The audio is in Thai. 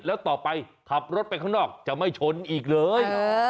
แล้วต่อไปขับรถไปข้างนอกจะไม่ชนอีกเลย